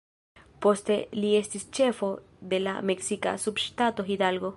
Poste li estis ĉefo de la meksika subŝtato Hidalgo.